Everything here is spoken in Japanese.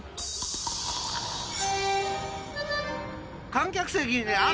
観客席に嵐。